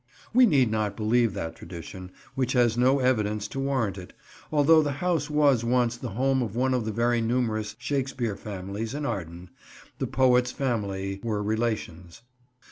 We need not believe that tradition, which has no evidence to warrant it, although the house was once the home of one of the very numerous Shakespeare families in Arden, the poet's family were relations.